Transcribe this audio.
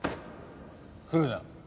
来るな。